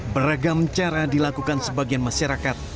beragam cara dilakukan sebagian masyarakat